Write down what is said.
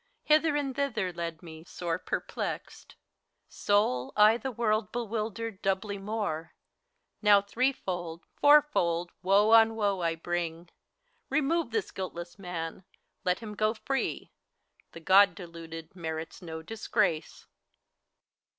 Hither and thither led me, sore perplexed. Sole, I the world bewildered, doubly more; Now threefold, fourfold, woe on woe I bring. Remove this guiltless man, let him go free ! The (jk)d deluded merits no disgrace.